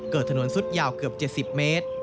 ถนนสุดยาวเกือบ๗๐เมตร